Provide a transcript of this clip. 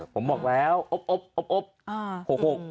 ผมบอกแล้วโอ๊ป